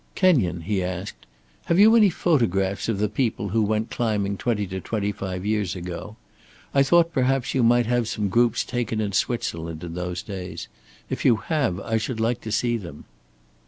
"Kenyon," he asked, "have you any photographs of the people who went climbing twenty to twenty five years ago? I thought perhaps you might have some groups taken in Switzerland in those days. If you have, I should like to see them."